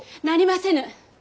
なりませぬ。